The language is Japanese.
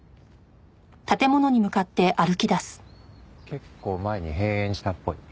結構前に閉園したっぽい。